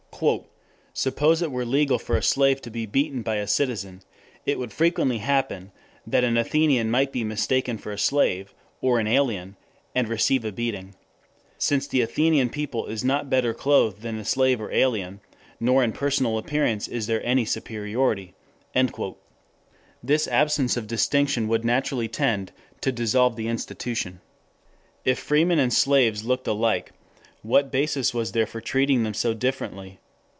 "Suppose it were legal for a slave to be beaten by a citizen, it would frequently happen that an Athenian might be mistaken for a slave or an alien and receive a beating; since the Athenian people is not better clothed than the slave or alien, nor in personal appearance is there any superiority." This absence of distinction would naturally tend to dissolve the institution. If free men and slaves looked alike, what basis was there for treating them so differently?